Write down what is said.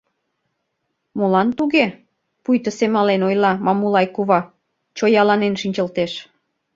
— Молан туге? — пуйто семален ойла Мамулай кува, чояланен шинчылтеш.